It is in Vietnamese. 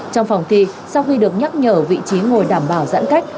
trong phòng thi sau khi được nhắc nhở vị trí ngồi đảm bảo giãn cách